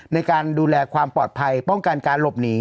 ในการดูแลความปลอดภัยป้องกันการหลบหนี